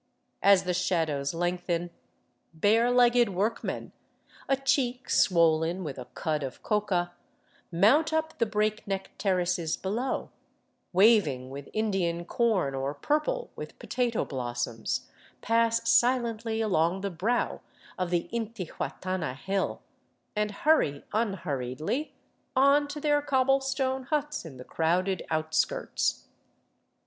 As the shadows lengthen, bare legged workmen, a cheek swollen with a cud of coca, mount up the breakneck terraces below, waving with Indian corn or purple with potato blossoms, pass silently along the brow of the intihuatana hill, and hurry unhurriedly on to their cobble stone huts in the crowded outskirts.